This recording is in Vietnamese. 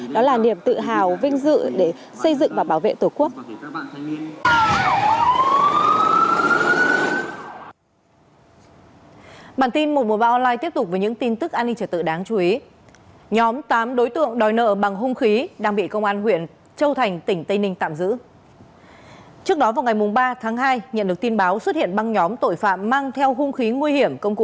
đó là niềm tự hào vinh dự để xây dựng và bảo vệ tổ quốc